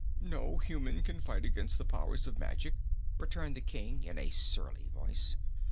"No human can fight against the powers of magic," returned the King in a surly voice.